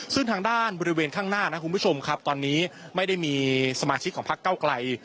ซึ่งทางด้านบริเวณข้างหน้านะคุณผู้ชมครับตอนนี้ไม่ได้มีสมาชิกของพักเก้าไกล